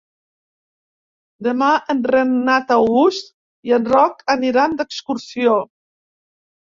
Demà en Renat August i en Roc aniran d'excursió.